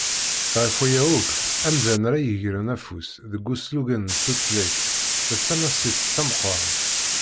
Γef waya akk, amdan ara yegren afus deg uslugen n tutlayt d tamasit tameqqrant.